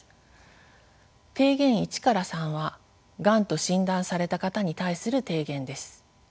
提言１から３はがんと診断された方に対する提言です。